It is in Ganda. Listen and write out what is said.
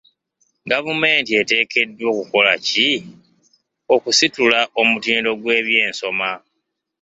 Gavumenti eteekeddwa kukola ki okusitula omutindo gw'ebyensoma?